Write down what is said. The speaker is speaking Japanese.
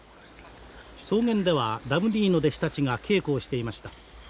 草原では弟子たちが稽古をしていました。